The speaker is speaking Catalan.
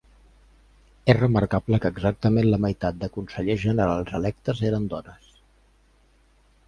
És remarcable que exactament la meitat de consellers generals electes eren dones.